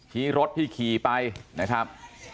ที่รถที่ขี่ไปนะครับ